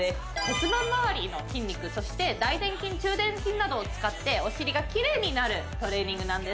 骨盤まわりの筋肉そして大臀筋中臀筋などを使ってお尻がきれいになるトレーニングなんです